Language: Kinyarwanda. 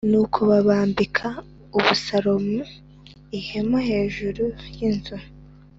Nuko babambira abusalomu ihema hejuru y inzu